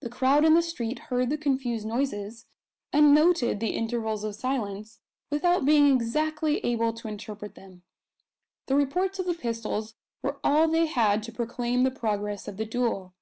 The crowd in the street heard the confused noises, and noted the intervals of silence, without being exactly able to interpret them. The reports of the pistols were all they had to proclaim the progress of the duel.